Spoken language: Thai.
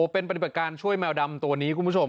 เป็นปฏิบัติการช่วยแมวดำตัวนี้คุณผู้ชม